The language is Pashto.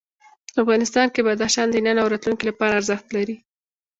افغانستان کې بدخشان د نن او راتلونکي لپاره ارزښت لري.